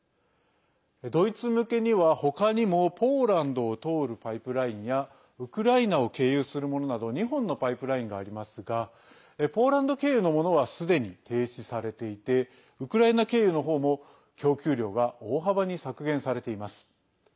ドイツ向けには、ほかにもポーランドを通るパイプラインやウクライナを経由するものなど２本のパイプラインがありますがポーランド経由のものはすでに停止されていてウクライナ経由のほうも供給量が大幅に削減されています。